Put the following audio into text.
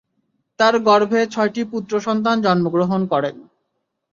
তাঁর গর্ভে ছয়টি পুত্র সন্তান জন্মগ্রহণ করেন।